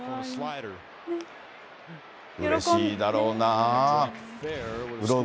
うれしいだろうなぁ。